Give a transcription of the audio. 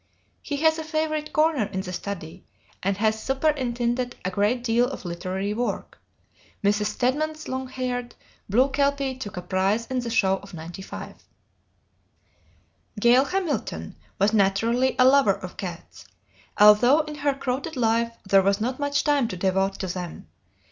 He has a favorite corner in the study and has superintended a great deal of literary work." Mrs. Stedman's long haired, blue Kelpie took a prize in the show of '95. Gail Hamilton was naturally a lover of cats, although in her crowded life there was not much time to devote to them.